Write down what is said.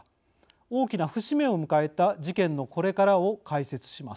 大きな節目を迎えた事件のこれからを解説します。